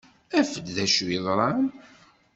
Af-d d acu ay yeḍran.